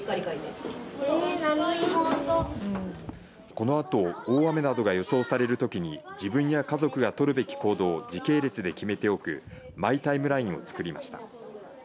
このあと大雨などが予想されるときに自分や家族が取るべき行動を時系列で決めておくマイタイムラインを作りました。